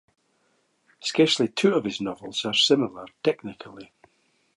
Scarcely two of his novels are similar technically.